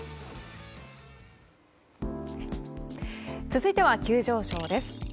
続いては急上昇です。